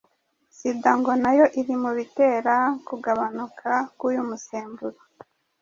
sida ngo na yo iri mu bitera kugabanuka k'uyu musemburo